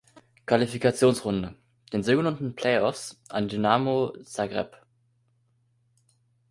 Qualifikationsrunde, den sogenannten Play-offs, an Dinamo Zagreb.